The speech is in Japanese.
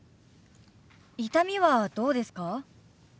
痛みはどうですか？